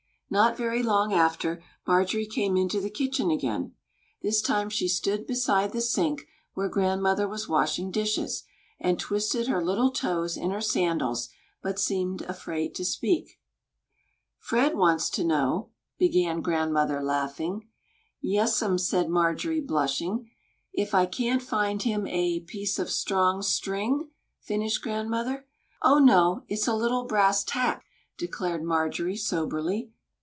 Not very long after, Marjorie came into the kitchen again. This time she stood beside the sink, where grandmother was washing dishes, and twisted her little toes in her sandals, but seemed afraid to speak. "Fred wants to know" began grandmother, laughing. "Yes'm," said Marjorie, blushing. "If I can't find him a piece of strong string?" finished grandmother. "O, no it's a little brass tack!" declared Marjorie, soberly.